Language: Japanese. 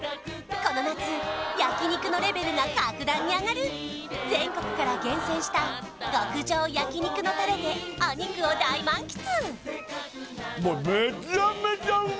この夏焼肉のレベルが格段に上がる全国から厳選した極上焼肉のタレでお肉を大満喫